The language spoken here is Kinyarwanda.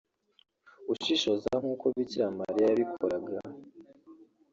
ushishoza nk’uko Bikira Mariya yabikoraga